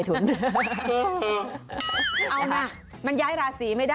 โอเคโอเคโอเคโอเค